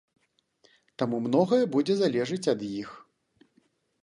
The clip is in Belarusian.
Таму многае будзе залежаць ад іх.